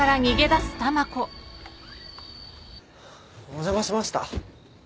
お邪魔しました。